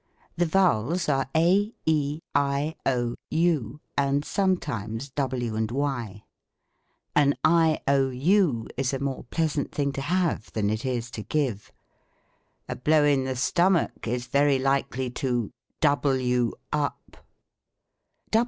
The vowels are a, e, i, 0, u, and sometimes w and y. An I. O. U. is a more pleasant thing to have, than it is to give. A blow in the stomach is very likely to W up.